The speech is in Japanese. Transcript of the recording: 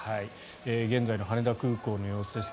現在の羽田空港の様子です。